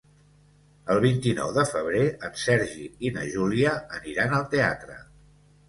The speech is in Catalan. El vint-i-nou de febrer en Sergi i na Júlia aniran al teatre.